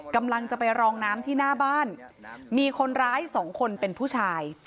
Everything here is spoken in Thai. กำลังจะไปรองน้ำที่หน้าบ้านมีคนร้ายสองคนเป็นผู้ชาย